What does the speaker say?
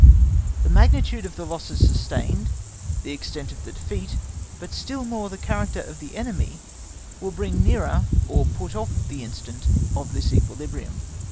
The magnitude of the losses sustained, the extent of the defeat, but still more the character of the enemy, will bring nearer or put off the instant of this equilibrium.